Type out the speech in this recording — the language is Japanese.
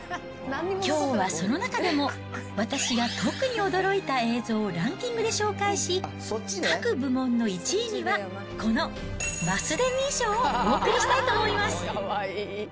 きょうはその中でも、私が特に驚いた映像をランキングで紹介し、各部門の１位にはこのマスデミー賞をお贈りしたいと思います。